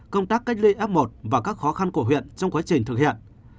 công tác cách ly f một và các khó khăn của huyện trong quá trình thực hiện